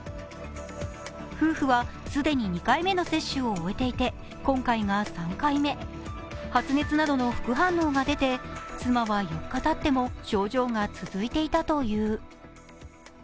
夫婦は既に２回目の接種を終えていて今回が３回目、発熱などの副反応が出て妻は４日たっても症状が続いていたという。